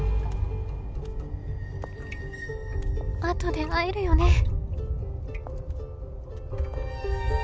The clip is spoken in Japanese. あとで会えるよね？